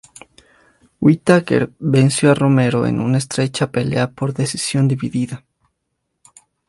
Whittaker venció a Romero en una estrecha pelea por decisión dividida.